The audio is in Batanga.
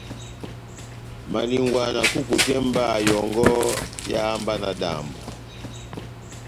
Malingwa na kukutemba yɔngɔ eháhá mba náhádambo.